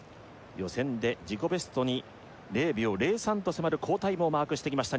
予選で自己ベストに０秒０３と迫る好タイムをマークしてきました